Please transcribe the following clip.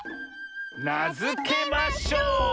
なづけましょう！